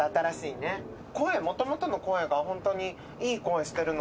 もともとの声がホントにいい声してるので。